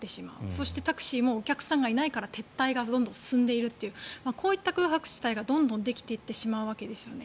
そしてタクシーもお客さんがいないから撤退がどんどん進んでいるというこういった空白地帯がどんどんできていってしまうわけですよね。